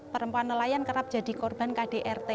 perempuan nelayan kerap jadi korban kdrt